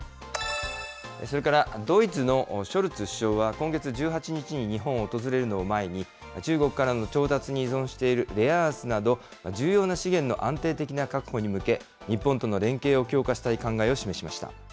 それから、ドイツのショルツ首相は今月１８日に日本を訪れるのを前に、中国からの調達に依存しているレアアースなど、重要な資源の安定的な確保に向け、日本との連携を強化したい考えを示しました。